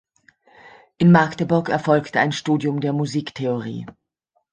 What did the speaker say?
In Magdeburg erfolgte ein Studium der Musiktheorie.